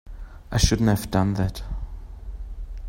I shouldn't have done that.